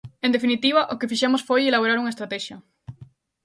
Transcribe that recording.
En definitiva, o que fixemos foi elaborar unha estratexia.